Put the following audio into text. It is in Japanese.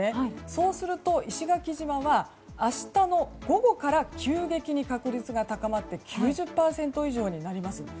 そうすると石垣島は明日の午後から急激に確率が高まって９０％以上になります。